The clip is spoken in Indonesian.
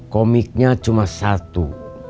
komiknya cuma satu